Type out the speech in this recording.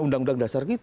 undang undang dasar kita